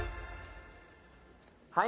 はい。